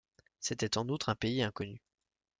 C'était en outre un pays inconnu.